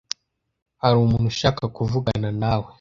Hari umuntu ushaka kuvugana nawe?